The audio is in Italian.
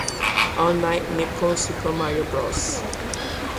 All Night Nippon Super Mario Bros.